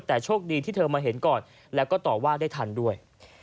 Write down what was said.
แต่โชคดีที่เธอมาเห็นก่อนแล้วก็ต่อว่าได้ทันด้วย